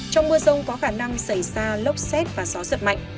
trong mưa rông có khả năng xảy ra lốc xét và gió giật mạnh